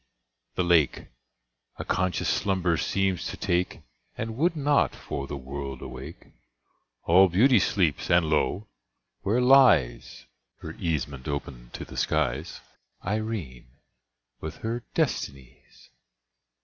the lake A conscious slumber seems to take, And would not, for the world, awake. All Beauty sleeps!—and lo! where lies (Her casement open to the skies) Irene, with her Destinies!